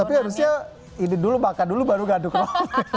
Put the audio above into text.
tapi harusnya ini dulu makan dulu baru gak aduk aduk